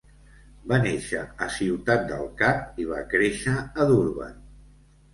Va néixer a Ciutat del Cap i va créixer a Durban.